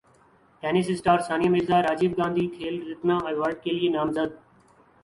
tennis star Sania Mirza Rajiv Gandhi Khel Ratna ایوارڈکیلئے نامزد